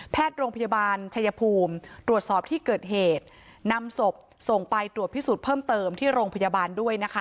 โรงพยาบาลชายภูมิตรวจสอบที่เกิดเหตุนำศพส่งไปตรวจพิสูจน์เพิ่มเติมที่โรงพยาบาลด้วยนะคะ